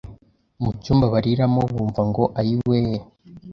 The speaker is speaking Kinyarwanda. mucyumba bariramo bumva ngo ayiwe